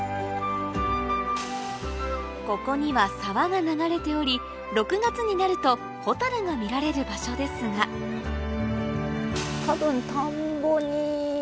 ここには沢が流れており６月になるとホタルが見られる場所ですが多分。